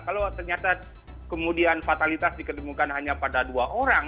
kalau ternyata kemudian fatalitas dikedemukan hanya pada dua orang